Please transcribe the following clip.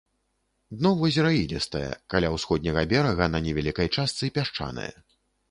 Дно возера ілістае, каля ўсходняга берага на невялікай частцы пясчанае.